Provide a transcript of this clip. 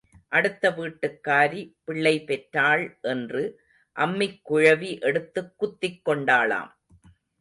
அடுத்த வீட்டுக்காரி பிள்ளை பெற்றாள் என்று அம்மிக்குழவி எடுத்துக் குத்திக் கொண்டாளாம்.